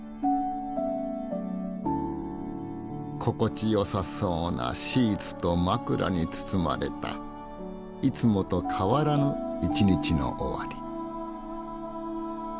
心地よさそうなシーツと枕に包まれたいつもと変わらぬ一日の終わり。